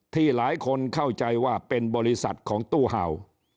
ที่หลายคนเข้าใจว่าเป็นบริษัทของตู้เห่า